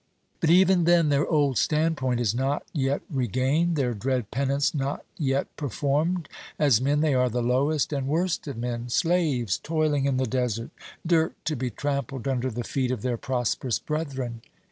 But even then their old stand point is not yet regained; their dread penance not yet performed. As men they are the lowest and worst of men; slaves toiling in the desert; dirt to be trampled under the feet of their prosperous brethren.